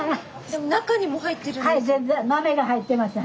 中にも入ってるんです。